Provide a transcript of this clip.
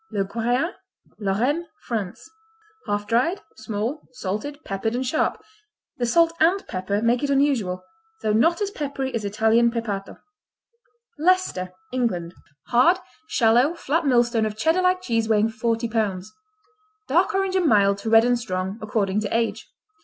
LeGuéyin Lorraine, France Half dried; small; salted; peppered and sharp. The salt and pepper make it unusual, though not as peppery as Italian Pepato. Leicester England Hard; shallow; flat millstone of Cheddar like cheese weighing forty pounds. Dark orange and mild to red and strong, according to age.